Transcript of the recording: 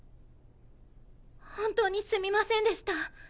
本当にすみませんでした。